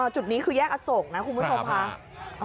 จุดนี้คือแยกอสกนะครับคุณผู้ชมภาพ